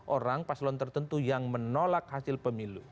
orang paslon tertentu yang menolak hasil pemilu